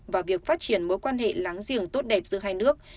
và việc phát triển mối quan hệ láng giềng tốt đẹp giữa hai nước